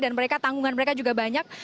dan tanggungan mereka juga banyak